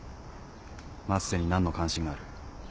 升瀬に何の関心がある？